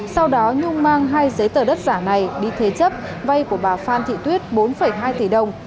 sau đó nhung mang hai giấy tờ đất giả này đi thế chấp vay của bà phan thị tuyết bốn hai tỷ đồng